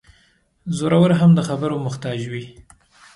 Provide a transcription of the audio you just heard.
زورور هم د خبرو محتاج وي.